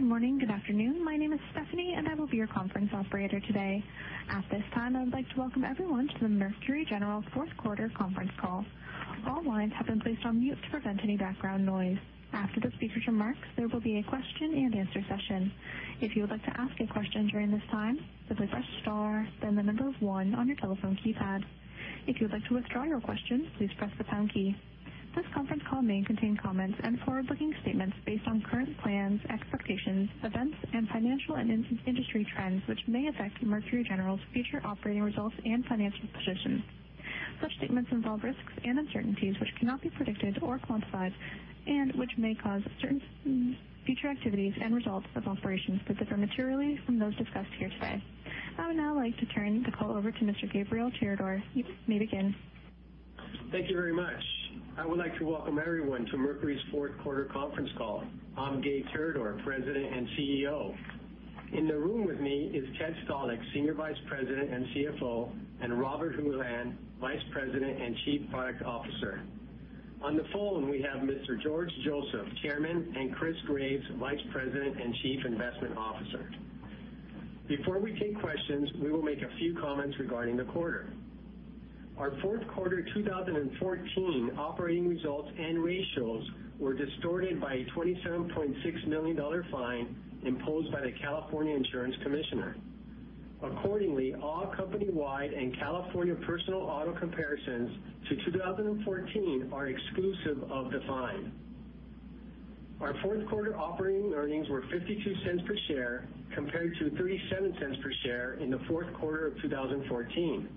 Good morning. Good afternoon. My name is Stephanie, and I will be your conference operator today. At this time, I would like to welcome everyone to the Mercury General fourth quarter conference call. All lines have been placed on mute to prevent any background noise. After the speakers' remarks, there will be a question and answer session. If you would like to ask a question during this time, simply press star, then the number 1 on your telephone keypad. If you would like to withdraw your question, please press the pound key. This conference call may contain comments and forward-looking statements based on current plans, expectations, events, and financial and industry trends, which may affect Mercury General's future operating results and financial positions. Such statements involve risks and uncertainties which cannot be predicted or quantified and which may cause certain future activities and results of operations to differ materially from those discussed here today. I would now like to turn the call over to Mr. Gabriel Tirador. You may begin. Thank you very much. I would like to welcome everyone to Mercury's fourth quarter conference call. I'm Gabe Tirador, President and CEO. In the room with me is Ted Stalick, Senior Vice President and CFO, and Robert Houlihan, Vice President and Chief Product Officer. On the phone, we have Mr. George Joseph, Chairman, and Chris Graves, Vice President and Chief Investment Officer. Before we take questions, we will make a few comments regarding the quarter. Our fourth quarter 2014 operating results and ratios were distorted by a $27.6 million fine imposed by the California Insurance Commissioner. Accordingly, all company-wide and California personal auto comparisons to 2014 are exclusive of the fine. Our fourth quarter operating earnings were $0.52 per share, compared to $0.37 per share in the fourth quarter of 2014.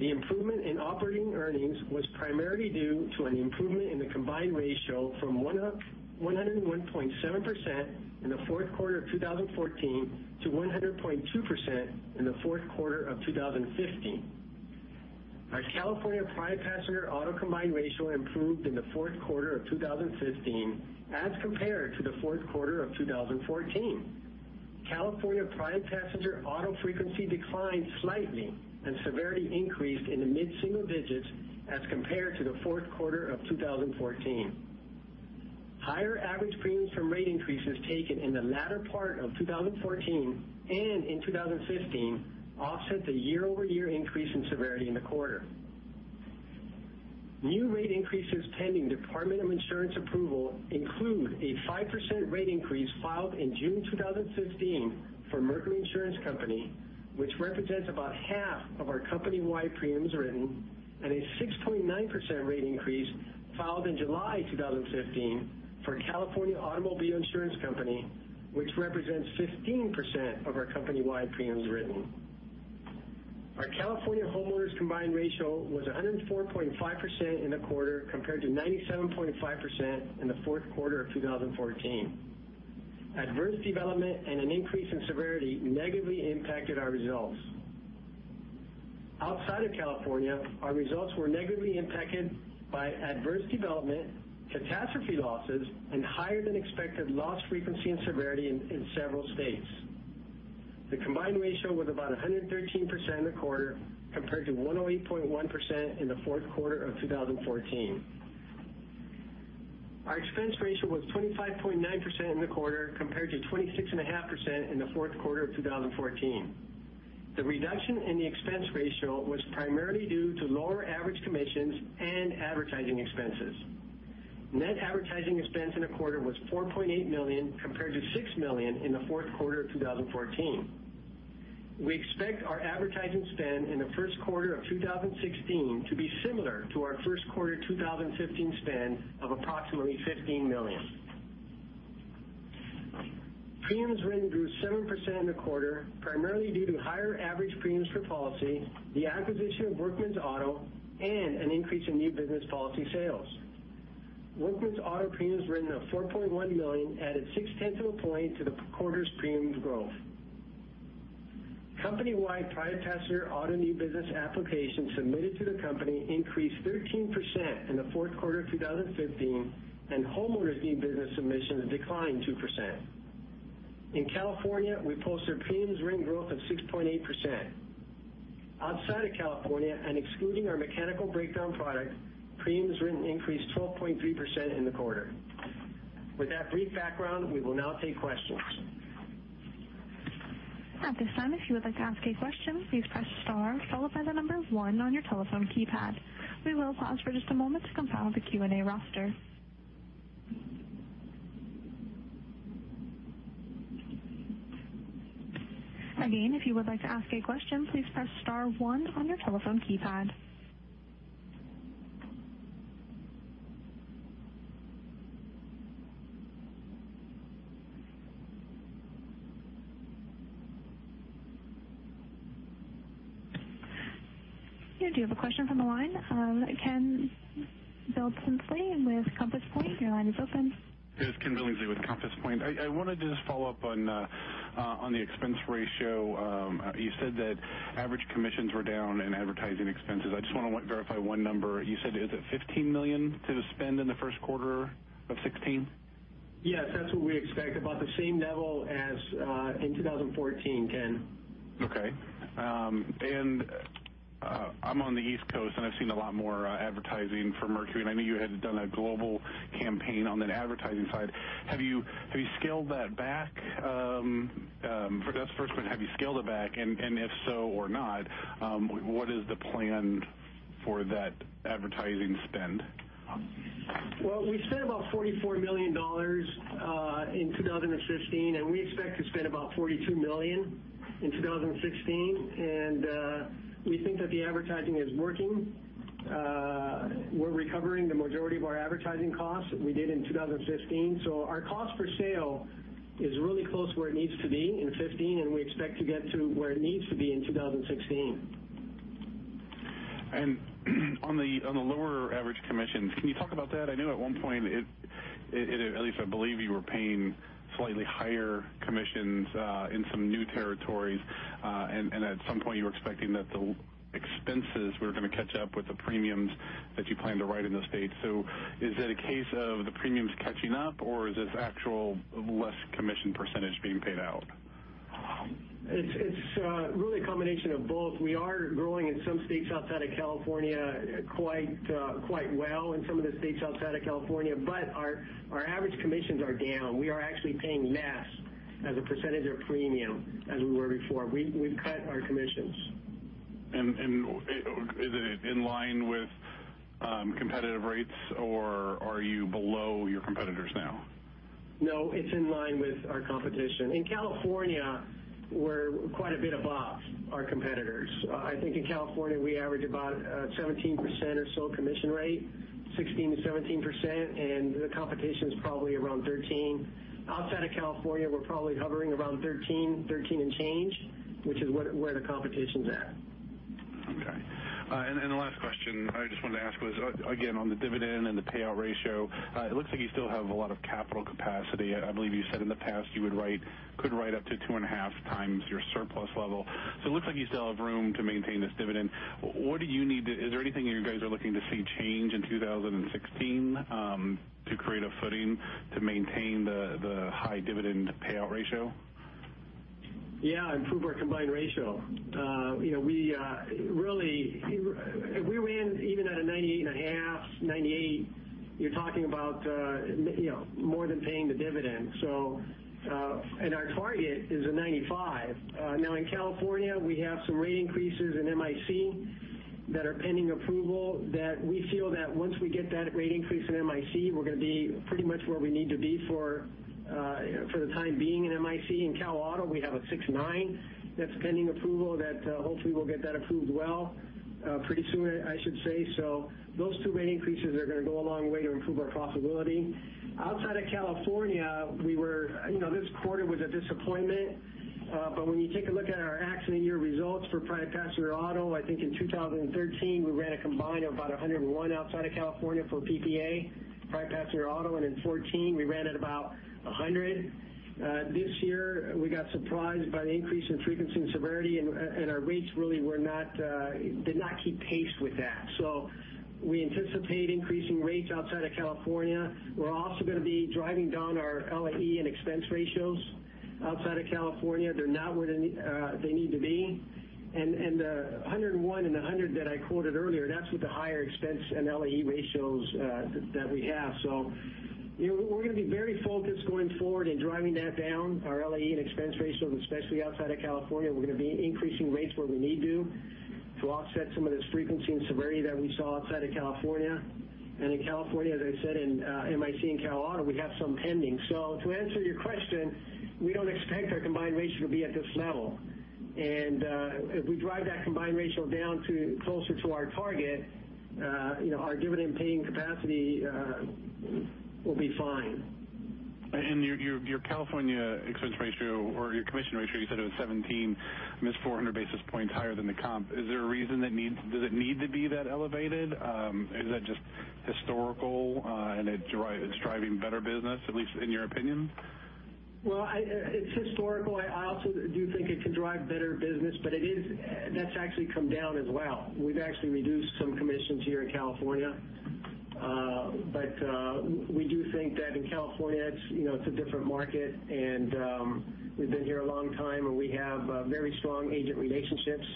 The improvement in operating earnings was primarily due to an improvement in the combined ratio from 101.7% in the fourth quarter of 2014 to 100.2% in the fourth quarter of 2015. Our California private passenger auto combined ratio improved in the fourth quarter of 2015 as compared to the fourth quarter of 2014. California private passenger auto frequency declined slightly and severity increased in the mid-single digits as compared to the fourth quarter of 2014. Higher average premiums from rate increases taken in the latter part of 2014 and in 2015 offset the year-over-year increase in severity in the quarter. New rate increases pending Department of Insurance approval include a 5% rate increase filed in June 2015 for Mercury Insurance Company, which represents about half of our company-wide premiums written, and a 6.9% rate increase filed in July 2015 for California Automobile Insurance Company, which represents 15% of our company-wide premiums written. Our California homeowners combined ratio was 104.5% in the quarter, compared to 97.5% in the fourth quarter of 2014. Adverse development and an increase in severity negatively impacted our results. Outside of California, our results were negatively impacted by adverse development, catastrophe losses, and higher-than-expected loss frequency and severity in several states. The combined ratio was about 113% in the quarter, compared to 108.1% in the fourth quarter of 2014. Our expense ratio was 25.9% in the quarter, compared to 26.5% in the fourth quarter of 2014. The reduction in the expense ratio was primarily due to lower average commissions and advertising expenses. Net advertising expense in the quarter was $4.8 million, compared to $6 million in the fourth quarter of 2014. We expect our advertising spend in the first quarter of 2016 to be similar to our first quarter 2015 spend of approximately $15 million. Premiums written grew 7% in the quarter, primarily due to higher average premiums per policy, the acquisition of Workmen's Auto, and an increase in new business policy sales. Workmen's Auto premiums written of $4.1 million added six tenths of a point to the quarter's premiums growth. Company-wide private passenger auto new business applications submitted to the company increased 13% in the fourth quarter of 2015, and homeowners new business submissions declined 2%. In California, we posted premiums written growth of 6.8%. Outside of California and excluding our Mechanical Breakdown Protection, premiums written increased 12.3% in the quarter. With that brief background, we will now take questions. At this time, if you would like to ask a question, please press star followed by the number one on your telephone keypad. We will pause for just a moment to compile the Q&A roster. Again, if you would like to ask a question, please press star one on your telephone keypad. Yeah, do you have a question from the line? Ken Billingsley with Compass Point, your line is open. This is Ken Billingsley with Compass Point. I wanted to just follow up on the expense ratio. You said that average commissions were down and advertising expenses. I just want to verify one number. You said, is it $15 million to spend in the first quarter of 2016? Yes. That's what we expect. About the same level in 2014, Ken. Okay. I'm on the East Coast, I've seen a lot more advertising for Mercury, I know you had done a global campaign on that advertising side. Have you scaled that back? That's the first one. Have you scaled it back? If so or not, what is the plan for that advertising spend? Well, we spent about $44 million in 2015, we expect to spend about $42 million in 2016. We think that the advertising is working. We're recovering the majority of our advertising costs that we did in 2015. Our cost per sale is really close to where it needs to be in 2015, we expect to get to where it needs to be in 2016. On the lower average commissions, can you talk about that? I know at one point, at least I believe you were paying slightly higher commissions in some new territories. At some point, you were expecting that the expenses were going to catch up with the premiums that you planned to write in the state. Is it a case of the premiums catching up, or is this actual less commission percentage being paid out? It's really a combination of both. We are growing in some states outside of California quite well, in some of the states outside of California, but our average commissions are down. We are actually paying less as a percentage of premium as we were before. We've cut our commissions. Is it in line with competitive rates, or are you below your competitors now? No, it's in line with our competition. In California, we're quite a bit above our competitors. I think in California, we average about 17% or so commission rate, 16%-17%, and the competition's probably around 13%. Outside of California, we're probably hovering around 13% and change, which is where the competition's at. Okay. The last question I just wanted to ask was, again, on the dividend and the payout ratio, it looks like you still have a lot of capital capacity. I believe you said in the past you could write up to two and a half times your surplus level. It looks like you still have room to maintain this dividend. Is there anything you guys are looking to see change in 2016 to create a footing to maintain the high dividend payout ratio? Yeah. Improve our combined ratio. If we were in even at a 98.5, 98, you're talking about more than paying the dividend. Our target is a 95. In California, we have some rate increases in MIC that are pending approval that we feel that once we get that rate increase in MIC, we're going to be pretty much where we need to be for the time being in MIC. In Cal Auto, we have a 6.9 that's pending approval that hopefully we'll get that approved well, pretty soon, I should say. Those two rate increases are going to go a long way to improve our profitability. Outside of California, this quarter was a disappointment. When you take a look at our accident year results for private passenger auto, I think in 2013, we ran a combined of about 101 outside of California for PPA, private passenger auto, and in 2014, we ran at about 100. This year, we got surprised by the increase in frequency and severity, and our rates really did not keep pace with that. We anticipate increasing rates outside of California. We're also going to be driving down our LAE and expense ratios outside of California. They're not where they need to be. The 101 and 100 that I quoted earlier, that's with the higher expense and LAE ratios that we have. We're going to be very focused going forward in driving that down, our LAE and expense ratios, especially outside of California. We're going to be increasing rates where we need to offset some of this frequency and severity that we saw outside of California. In California, as I said, in MIC and Cal Auto, we have some pending. To answer your question, we don't expect our combined ratio to be at this level. If we drive that combined ratio down closer to our target our dividend-paying capacity will be fine. Your California expense ratio or your commission ratio, you said it was 17, almost 400 basis points higher than the comp. Is there a reason? Does it need to be that elevated? Is that just historical, and it's driving better business, at least in your opinion? Well, it's historical. I also do think it can drive better business, that's actually come down as well. We've actually reduced some commissions here in California. We do think that in California, it's a different market, and we've been here a long time, and we have very strong agent relationships.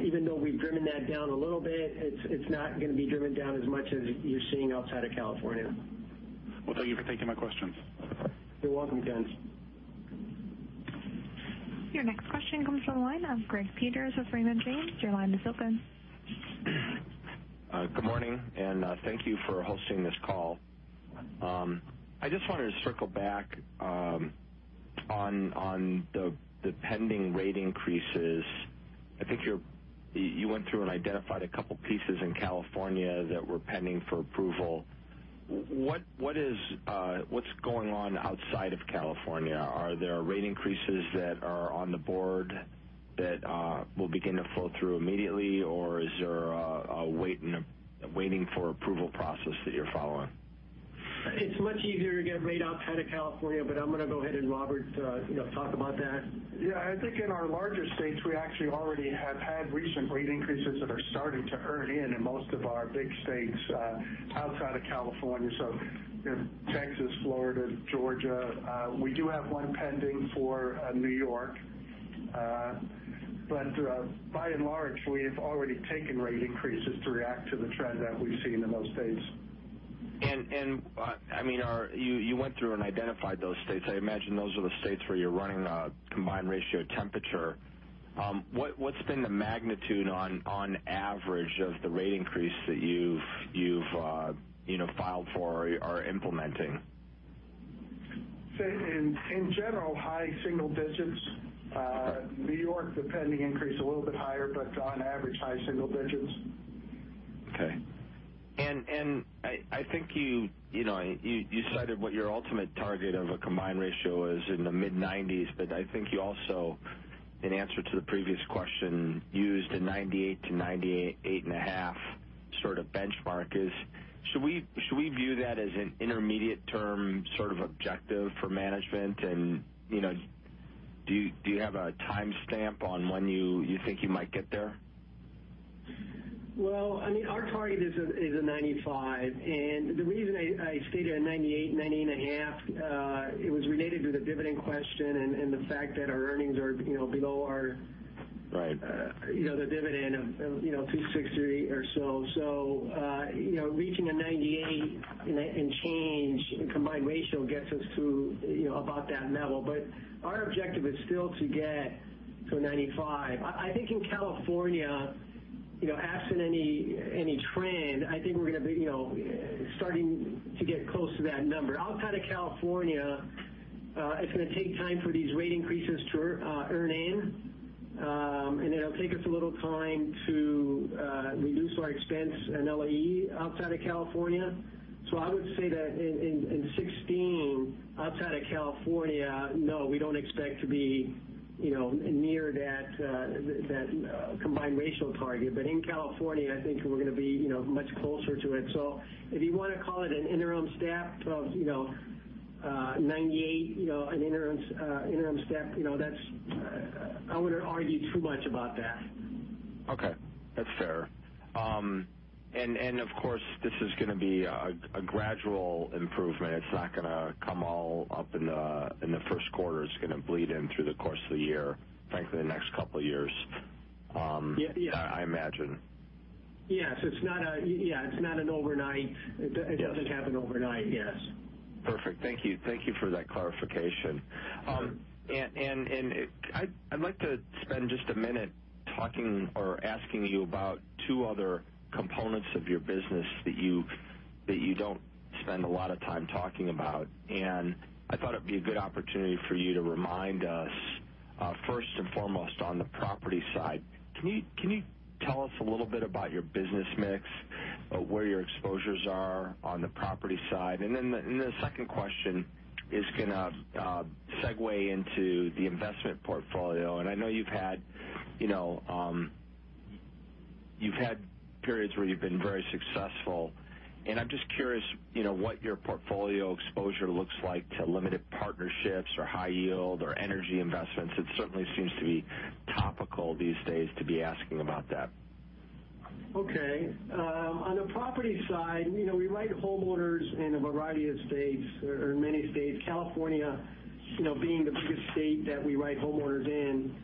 Even though we've driven that down a little bit, it's not going to be driven down as much as you're seeing outside of California. Well, thank you for taking my questions. You're welcome, Ken. Your next question comes from the line of Gregory Peters with Raymond James. Your line is open. Good morning, and thank you for hosting this call. I just wanted to circle back on the pending rate increases. I think you went through and identified a couple pieces in California that were pending for approval. What's going on outside of California? Are there rate increases that are on the board that will begin to flow through immediately, or is there a waiting for approval process that you're following? It's much easier to get a rate outside of California, but I'm going to go ahead and Robert talk about that. Yeah, I think in our larger states, we actually already have had recent rate increases that are starting to earn in most of our big states outside of California. Texas, Florida, Georgia. We do have one pending for New York. By and large, we have already taken rate increases to react to the trend that we've seen in those states. You went through and identified those states. I imagine those are the states where you're running a combined ratio temperature. What's been the magnitude on average of the rate increase that you've filed for or are implementing? In general, high single digits. Okay. New York, the pending increase a little bit higher, but on average, high single digits. Okay. I think you cited what your ultimate target of a combined ratio is in the mid-90s. I think you also, in answer to the previous question, used a 98%-98.5% sort of benchmark. Should we view that as an intermediate term sort of objective for management? Do you have a timestamp on when you think you might get there? Well, our target is a 95. The reason I stated a 98.5, it was related to the dividend question and the fact that our earnings are below. Right the dividend of $263 or so. Reaching a 98 and change in combined ratio gets us to about that level. Our objective is still to get to a 95. I think in California, absent any trend, I think we're going to be starting to get close to that number. Outside of California, it's going to take time for these rate increases to earn in. It'll take us a little time to reduce our expense and LAE outside of California. I would say that in 2016, outside of California, no, we don't expect to be near that combined ratio target. In California, I think we're going to be much closer to it. If you want to call it an interim step of 98, an interim step, I wouldn't argue too much about that. Okay. That's fair. Of course, this is going to be a gradual improvement. It's not going to come all up in the first quarter. It's going to bleed in through the course of the year. Frankly, the next couple of years. Yes. I imagine. Yes. It doesn't happen overnight. Yes. Perfect. Thank you. Thank you for that clarification. Sure. I'd like to spend just a minute talking or asking you about two other components of your business that you don't spend a lot of time talking about. I thought it'd be a good opportunity for you to remind us, first and foremost, on the property side. Can you tell us a little bit about your business mix, where your exposures are on the property side? The second question is going to segue into the investment portfolio. I know you've had periods where you've been very successful. I'm just curious what your portfolio exposure looks like to limited partnerships or high yield or energy investments. It certainly seems to be topical these days to be asking about that. On the property side, we write homeowners in a variety of states or in many states. California being the biggest state that we write homeowners in.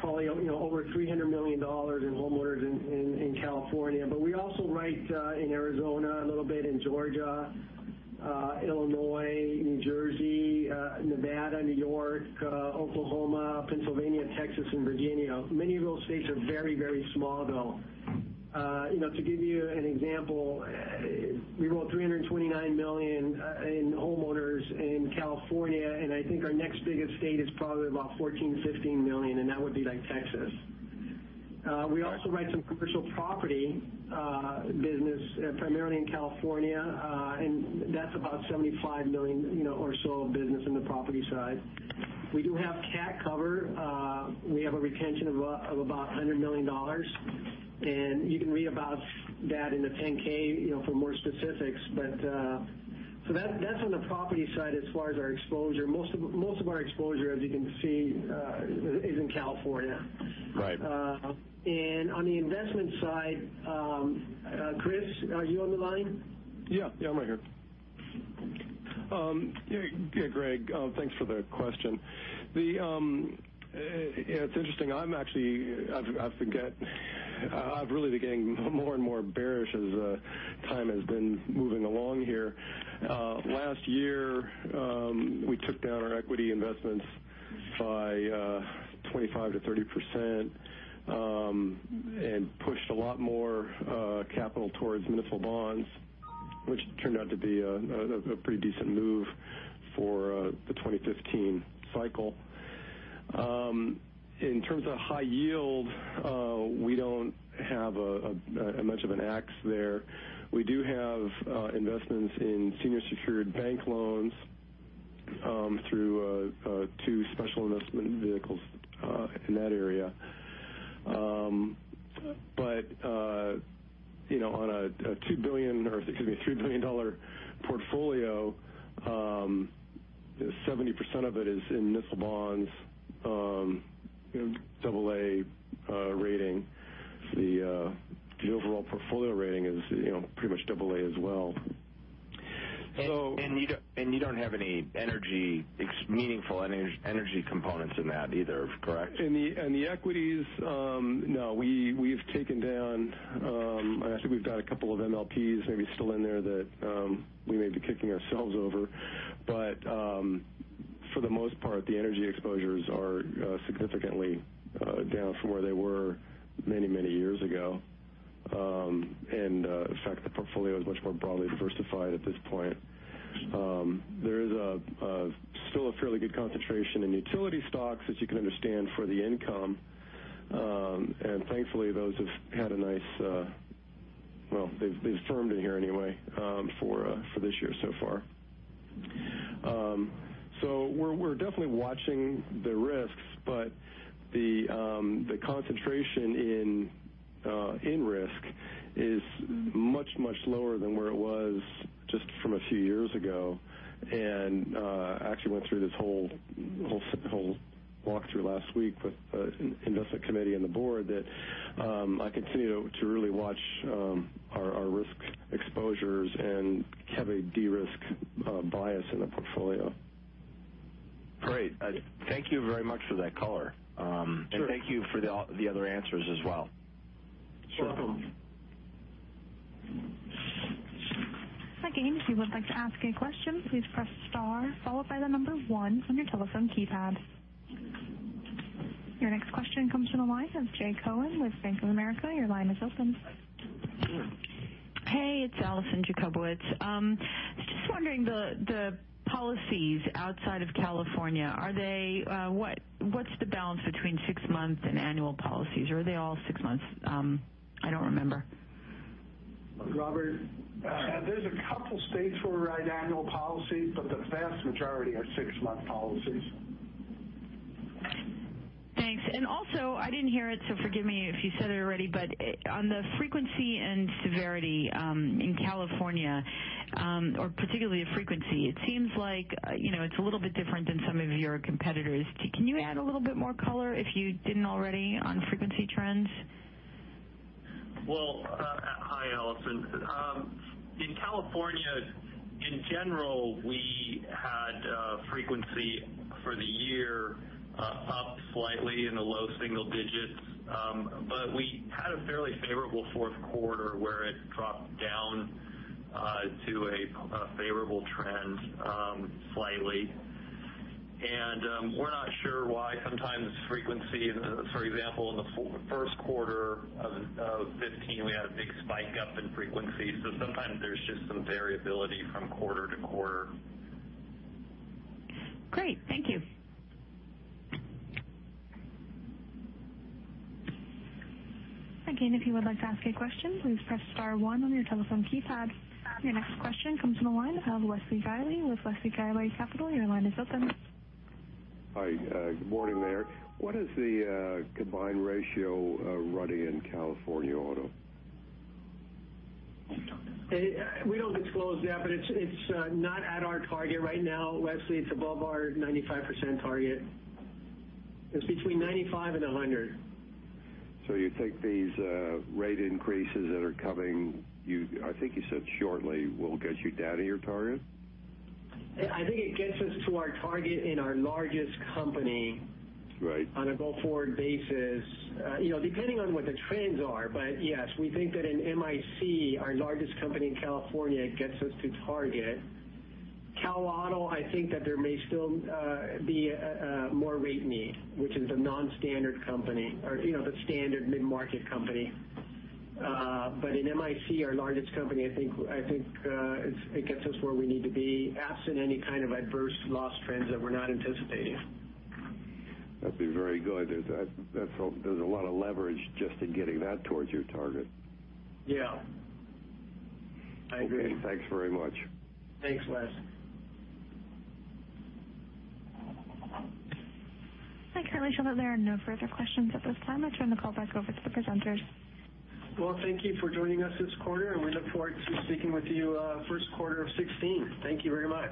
Probably over $300 million in homeowners in California. We also write in Arizona a little bit, in Georgia, Illinois, New Jersey, Nevada, New York, Oklahoma, Pennsylvania, Texas, and Virginia. Many of those states are very, very small, though. To give you an example, we wrote $329 million in homeowners in California. I think our next biggest state is probably about $14 million, $15 million, and that would be Texas. We also write some commercial property business primarily in California. That's about $75 million or so of business in the property side. We do have catastrophe coverage. We have a retention of about $100 million. You can read about that in the 10-K for more specifics. That's on the property side as far as our exposure. Most of our exposure, as you can see, is in California. Right. On the investment side, Chris, are you on the line? I'm right here. Greg, thanks for the question. It's interesting. I've really been getting more and more bearish as time has been moving along here. Last year, we took down our equity investments by 25%-30% and pushed a lot more capital towards municipal bonds, which turned out to be a pretty decent move for the 2015 cycle. In terms of high yield, we don't have as much of an axe there. We do have investments in senior secured bank loans through two special investment vehicles in that area. On a $2 billion or, excuse me, a $3 billion portfolio, 70% of it is in municipal bonds, AA rating. The overall portfolio rating is pretty much AA as well. You don't have any meaningful energy components in that either, correct? In the equities, no. We've taken down, I think we've got a couple of MLPs maybe still in there that we may be kicking ourselves over. For the most part, the energy exposures are significantly down from where they were many years ago. In fact, the portfolio is much more broadly diversified at this point. There is still a fairly good concentration in utility stocks, as you can understand, for the income. Thankfully, those have had a nice, well, they've firmed in here anyway, for this year so far. We're definitely watching the risks, but the concentration in risk is much lower than where it was just from a few years ago. I actually went through this whole walk-through last week with the investment committee and the board that I continue to really watch our risk exposures and have a de-risk bias in the portfolio. Great. Thank you very much for that color. Sure. Thank you for the other answers as well. Sure. Again, if you would like to ask a question, please press star followed by the number 1 from your telephone keypad. Your next question comes from the line of Jay Cohen with Bank of America. Your line is open. Hey, it's Alison Jacobowitz. Just wondering, the policies outside of California, what's the balance between six-month and annual policies? Are they all six months? I don't remember. Robert? There's a couple states where we write annual policies, the vast majority are six-month policies. Thanks. Also, I didn't hear it, forgive me if you said it already, on the frequency and severity in California, or particularly the frequency, it seems like it's a little bit different than some of your competitors. Can you add a little bit more color, if you didn't already, on frequency trends? Well, hi, Alison. In California, in general, we had frequency for the year up slightly in the low single digits. We had a fairly favorable fourth quarter where it dropped down to a favorable trend, slightly. We're not sure why. Sometimes frequency, for example, in the first quarter of 2015, we had a big spike up in frequency. Sometimes there's just some variability from quarter to quarter. Great. Thank you. Again, if you would like to ask a question, please press star one on your telephone keypad. Your next question comes from the line of Wesley Guiley with Wesley Guiley Capital. Your line is open. Hi. Good morning there. What is the combined ratio running in California Auto? We don't disclose that, but it's not at our target right now, Wesley. It's above our 95% target. It's between 95% and 100%. You think these rate increases that are coming, I think you said shortly, will get you down to your target? I think it gets us to our target in our largest company- Right On a go-forward basis. Depending on what the trends are. Yes, we think that in MIC, our largest company in California gets us to target. Cal Auto, I think that there may still be more rate need, which is a non-standard company, or the standard mid-market company. In MIC, our largest company, I think it gets us where we need to be absent any kind of adverse loss trends that we're not anticipating. That'd be very good. There's a lot of leverage just in getting that towards your target. Yeah. I agree. Okay, thanks very much. Thanks, Wes. I currently show that there are no further questions at this time. I turn the call back over to the presenters. Well, thank you for joining us this quarter, and we look forward to speaking with you first quarter of 2016. Thank you very much.